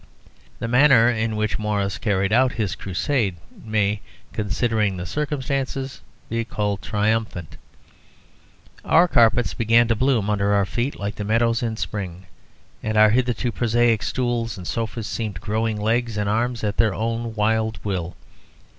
The manner in which Morris carried out his crusade may, considering the circumstances, be called triumphant. Our carpets began to bloom under our feet like the meadows in spring, and our hitherto prosaic stools and sofas seemed growing legs and arms at their own wild will.